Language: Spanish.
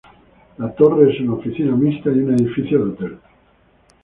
La torre es una oficina mixta y un edificio de hotel.